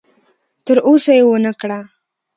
تر اوسه یې ونه کړه.